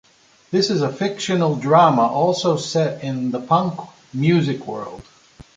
This is a fictional drama also set in the punk music world.